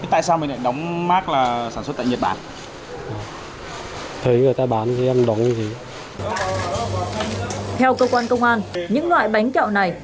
theo cơ quan công an những loại bánh kẹo này